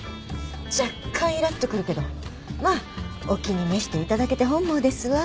若干いらっとくるけどまあお気に召していただけて本望ですわ。